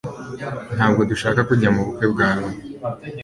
Ntabwo dushaka kujya mubukwe bwawe